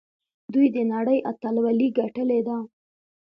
دوی د نړۍ اتلولي ګټلې ده.